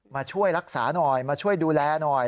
มาช่วยรักษาหน่อยมาช่วยดูแลหน่อย